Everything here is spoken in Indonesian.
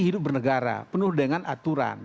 hidup bernegara penuh dengan aturan